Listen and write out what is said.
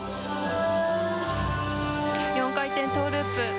４回転トウループ。